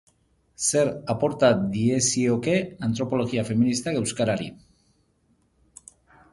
Zer aporta diezioke antropologia feministak euskarari?